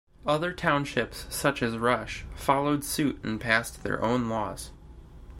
Other townships, such as Rush, followed suit and passed their own laws.